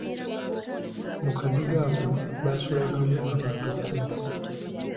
Mu kazigo ako baasulangamu abantu kkumi.